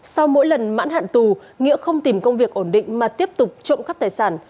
sau mỗi lần mãn hạn tù nghĩa không tìm công việc ổn định mà tiếp tục trộm cắp tài sản